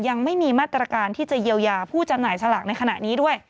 ยังไม่มีมาตรการที่จะเยียวยาผู้จำหน่ายสลากในขณะนี้ด้วย